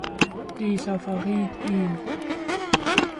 Dieser verriet ihn.